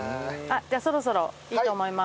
ではそろそろいいと思います。